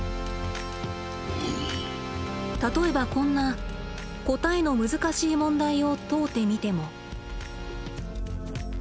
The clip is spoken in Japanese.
例えばこんな答えの難しい問題を問うてみても。